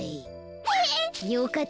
えっ。